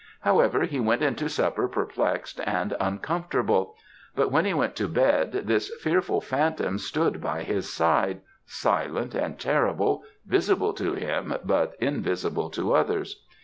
However, he went into supper perplexed and uncomfortable; but when he went to bed this fearful phantom stood by his side, silent and terrible, visible to him, but invisible to others.